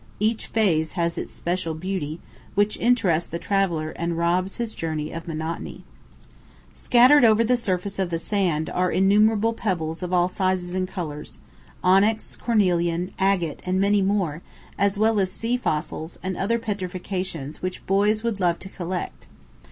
Each phase has its special beauty, which interests the traveller and robs his journey of monotony. Scattered over the surface of the sand are innumerable pebbles of all sizes and colours onyx, cornelian, agate, and many more, as well as sea fossils and other petrifactions which boys would love to collect.